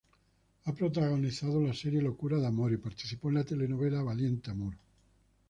Ha protagonizado la serie "Locura de amor" y participó en la telenovela "Valiente amor.